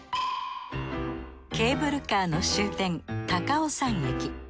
ケーブルカーの終点高尾山駅。